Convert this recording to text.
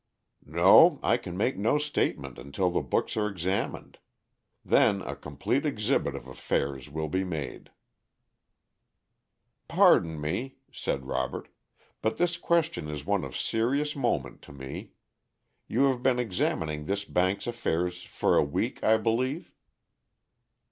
"No, I can make no statement until the books are examined. Then a complete exhibit of affairs will be made." "Pardon me," said Robert, "but this question is one of serious moment to me. You have been examining this bank's affairs for a week, I believe?"